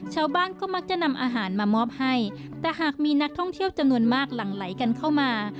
ชาวบ้านก็มักจะนำอาหารมามอบให้แต่หากมีนักท่องเที่ยวจำนวนมากหลั่งไหลกันเข้ามา